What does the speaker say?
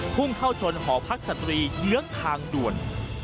พุ่งเข้าชนหอพักสตรีเยื้องทางด่วน